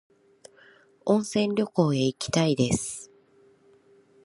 温泉旅行へ行きたいです